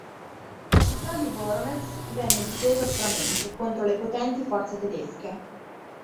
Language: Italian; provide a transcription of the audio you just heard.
La città di Voronež venne difesa aspramente contro le potenti forze tedesche.